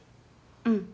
うん。